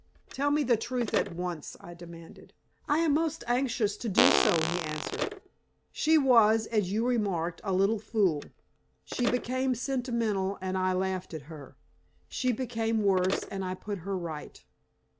"Tell me the truth at once," I demanded. "I am most anxious to do so," he answered. "She was, as you remarked, a little fool. She became sentimental, and I laughed at her. She became worse, and I put her right.